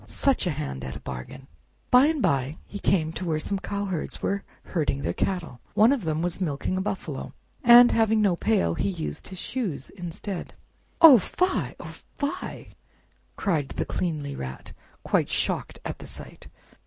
Such a hand at a bargain!" By and by he came to where some cowherds were herding their cattle. One of them was milking a buffalo, and having no pail, he used his shoes instead. "Oh fie! oh fie!" cried the cleanly Rat, quite shocked at the sight.